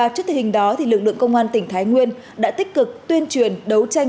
trước tình hình đó lực lượng công an tỉnh thái nguyên đã tích cực tuyên truyền đấu tranh